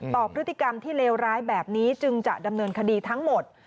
พฤติกรรมที่เลวร้ายแบบนี้จึงจะดำเนินคดีทั้งหมด